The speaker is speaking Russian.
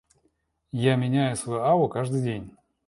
Я меняю свою аву каждый день.